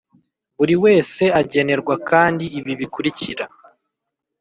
Buri wese agenerwa kandi ibi bikurikira